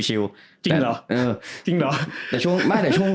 จริงเหรอ